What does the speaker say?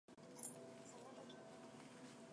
Do you approve of keeping exotic pets or not, and why?